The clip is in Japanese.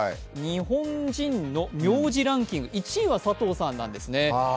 日本人の名字ランキング１位は佐藤さんなんですね。